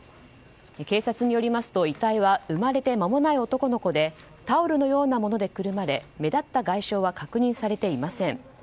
警察によりますと遺体は生まれて間もない男の子でタオルのようなものでくるまれ目立った外傷は確認されていません。